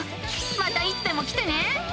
またいつでも来てね。